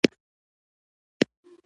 که دوی آس لرلو.